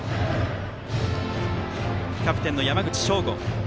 キャプテンの山口翔梧。